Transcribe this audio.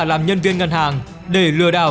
làm nhân viên ngân hàng để lừa đảo